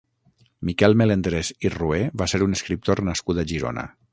Miquel Melendres i Rué va ser un escriptor nascut a Girona.